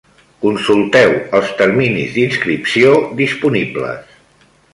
Consulteu els terminis d'inscripció disponibles.